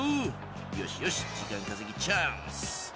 よしよし時間稼ぎチャンス。